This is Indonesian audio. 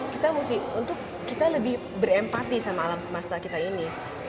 kita mesti untuk kita lebih berempati sama alam semesta kita ini